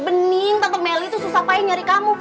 benin tante meli tuh susah paling nyari kamu